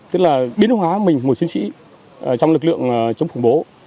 tức là biến hóa mình một chiến sĩ trong lực lượng chống khủng bố